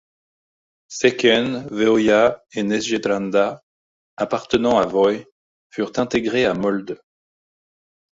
Sekken, Veøya et Nesjestranda appartenant à Veøy furent intégrés à Molde.